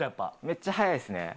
めっちゃ速いですね。